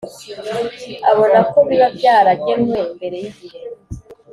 abona ko biba byaragenwe mbere y’igihe